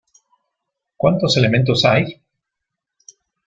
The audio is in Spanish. Cuantos elementos hay?